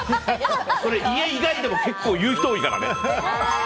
家以外でも結構言う人多いからね。